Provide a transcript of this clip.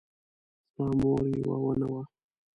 زما مور یوه ونه وه